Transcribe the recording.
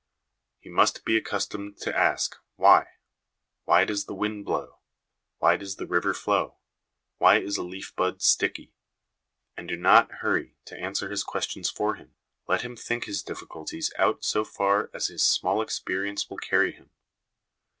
He must be accustomed to ask why Why does the wind blow ? Why does the river flow ? Why is a leaf bud sticky? And do not hurry to answer his questions for him ; let him think his difficulties out so far as his small experience will carry him.